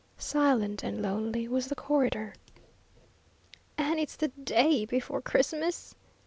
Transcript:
Silent and lonely was the corridor. "And it's the day before Christmas!"